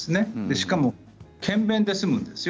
しかも検便で済むんですよ。